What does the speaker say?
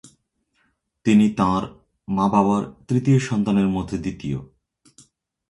তিনি তাঁর মা-বাবার তৃতীয় সন্তানের মধ্যে দ্বিতীয়।